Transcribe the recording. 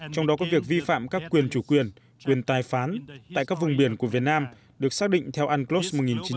tại các vùng biển của việt nam được xác định theo unclos một nghìn chín trăm tám mươi hai